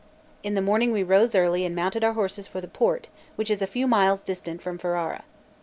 In the morning we rose early, and mounted our horses for the port, which is a few miles distant from Ferrara.